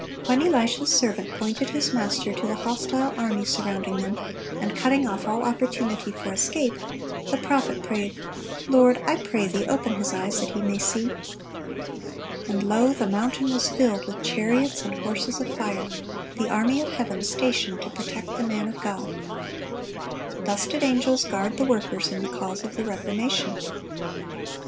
When Elisha's servant pointed his master to the hostile army surrounding them, and cutting off all opportunity for escape, the prophet prayed, "Lord, I pray Thee, open his eyes, that he may see."(307) And, lo, the mountain was filled with chariots and horses of fire, the army of heaven stationed to protect the man of God. Thus did angels guard the workers in the cause of the Reformation.